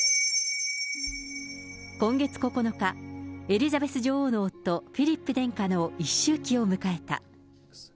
今月９日、エリザベス女王の夫、フィリップ殿下の一周忌を迎えた。